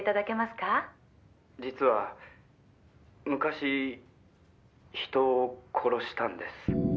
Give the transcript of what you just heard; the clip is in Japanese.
「実は昔人を殺したんです」